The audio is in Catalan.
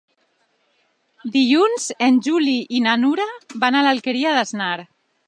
Dilluns en Juli i na Nura van a l'Alqueria d'Asnar.